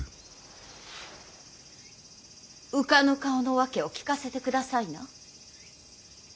浮かぬ顔の訳を聞かせてくださいな。